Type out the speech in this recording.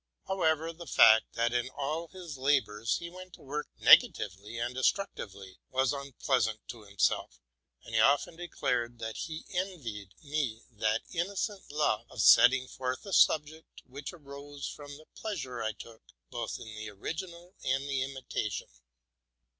However, the fact, that in all his labors he went to work negatively and destructively, was unpleasant to himself ; and he often declared that he en vied me that innocent love of setting forth a subject which arose from the pleasure I took, both in the original and the imitation.